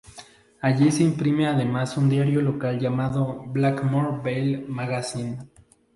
Allí se imprime además un diario local llamado "Blackmore Vale Magazine".